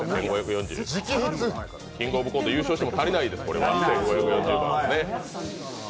キングオブコント優勝しても足りないです、これは。